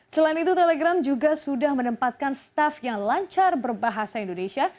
selain itu telegram juga sudah menempatkan staff yang lancar berbahasa indonesia